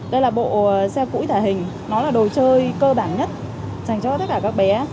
đây là bộ xe cũ tải hình nó là đồ chơi cơ bản nhất dành cho tất cả các bé